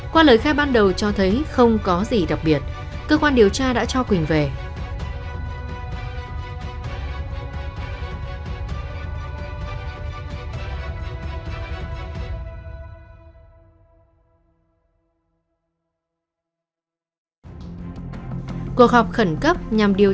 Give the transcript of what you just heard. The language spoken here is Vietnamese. qua lời khai ban đầu cho thấy không có gì đặc biệt cơ quan điều tra đã cho quỳnh về